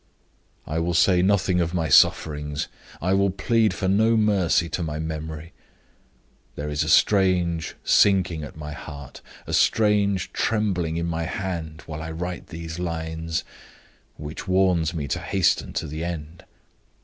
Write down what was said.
"I will say nothing of my sufferings; I will plead for no mercy to my memory. There is a strange sinking at my heart, a strange trembling in my hand, while I write these lines, which warns me to hasten to the end.